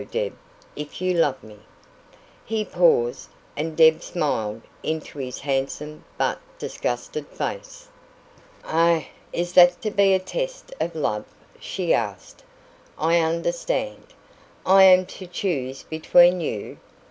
Deb, if you love me " He paused, and Deb smiled into his handsome but disgusted face. "Ah, is that to be a test of love?" she asked. "I understand. I am to choose between you.